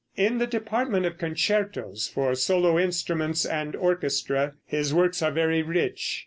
In the department of concertos for solo instruments and orchestra, his works are very rich.